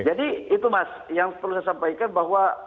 jadi itu mas yang perlu saya sampaikan bahwa